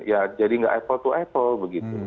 ya jadi nggak apple to apple begitu